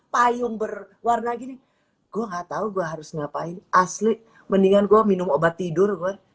payung berwarna gini gua nggak tahu gua harus ngapain asli mendingan gua minum obat tidur